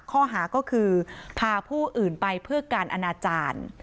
ข้อหาก็คือพาผู้อื่นไปเพื่อการอนาจารย์